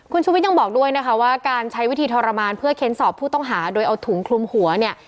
คุณชุวิตยังบอกด้วยนะคะว่าการใช้วิธีทรมานเพื่อเค้นสอบผู้ต้องหาโดยเอาถุงคลุมหัวเนี่ย